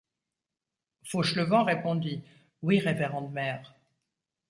Fauchelevent répondit: — Oui, révérende mère.